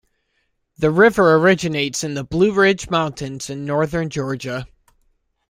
The river originates in the Blue Ridge Mountains in northern Georgia.